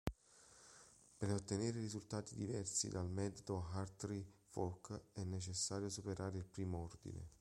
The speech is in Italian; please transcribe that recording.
Per ottenere risultati diversi dal metodo Hartree-Fock è necessario superare il primo ordine.